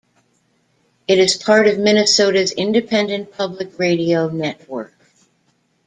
It is part of Minnesota's Independent Public Radio network.